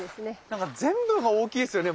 なんか全部が大きいですよね。